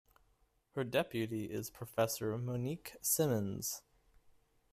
Her deputy is Professor Monique Simmonds.